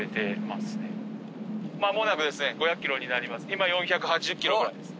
今４８０キロぐらいです。